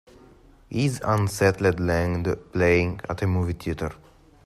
Is Unsettled Land playing at the movie theatre